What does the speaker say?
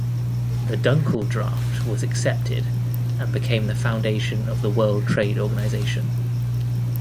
The Dunkel Draft was accepted and became the foundation of the World Trade Organisation.